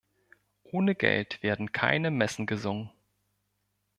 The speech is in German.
Ohne Geld werden keine Messen gesungen.